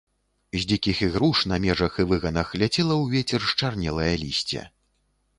З дзікіх ігруш на межах і выганах ляцела ў вецер счарнелае лісце.